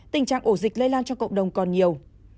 tình trạng ổ dịch lây lan cho cộng đồng còn nhiều